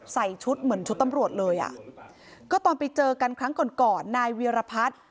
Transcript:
ใส่ชุดเหมือนชุดตำรวจเลยอ่ะก็ตอนไปเจอกันครั้งก่อนก่อนนายเวียรพัฒน์